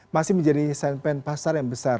masih menjadi segmen pasar yang besar